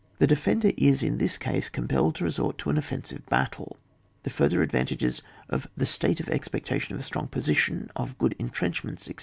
The defender is in this case compelled to resort to an oflfensive battle : the fur ther advantages of the state of expectation of a strong position^ of good entrenchments, etc.